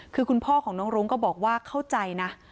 คือคุณพ่อของน้องรุ้งก็บอกว่าเข้าใจนะ